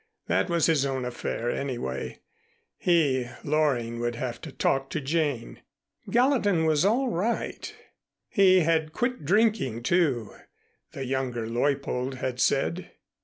That was his own affair, anyway. He, Loring, would have to talk to Jane. Gallatin was all right. He had quit drinking, too, the younger Leuppold had said.